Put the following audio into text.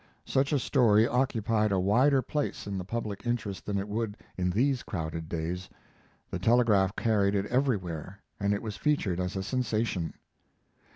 Such a story occupied a wider place in the public interest than it would in these crowded days. The telegraph carried it everywhere, and it was featured as a sensation.